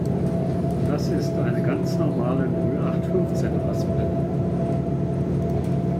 Das ist eine ganz normale Nullachtfünfzehn-Raspel.